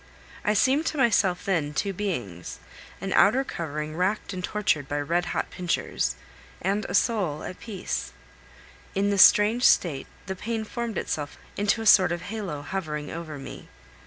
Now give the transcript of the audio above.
I seemed to myself then two beings an outer covering racked and tortured by red hot pincers, and a soul at peace. In this strange state the pain formed itself into a sort of halo hovering over me.